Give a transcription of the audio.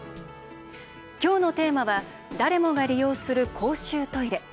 今日のテーマは誰もが利用する公衆トイレ。